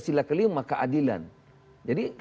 sila kelima keadilan jadi